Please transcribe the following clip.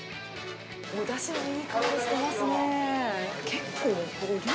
おだしのいい香りしてますね。